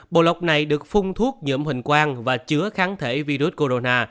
bộ lọc này được phung thuốc nhượm hình quang và chứa kháng thể virus corona